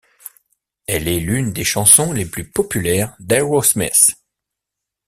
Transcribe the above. Elle est l'une des chansons les plus populaires d'Aerosmith.